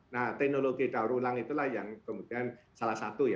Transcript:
nah teknologi daur ulang itulah yang kemudian salah satu ya